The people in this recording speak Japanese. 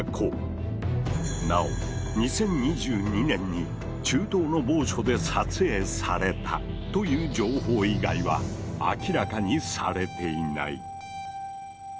なお２０２２年に中東の某所で撮影されたという情報以外は明らかにされていない。